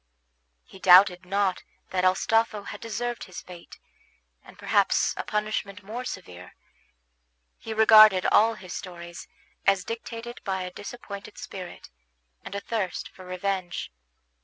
He doubted not that Astolpho had deserved his fate, and perhaps a punishment more severe; he regarded all his stories as dictated by a disappointed spirit, and a thirst for revenge.